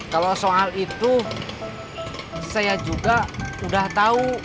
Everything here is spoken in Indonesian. kalau soal itu saya juga sudah tahu